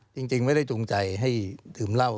จริงจริงไม่ได้จูงใจให้ถือเหล้า